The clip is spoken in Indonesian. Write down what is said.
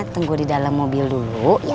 tunggu di dalam mobil dulu